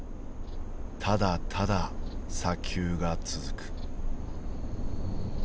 ただただ砂丘が続く。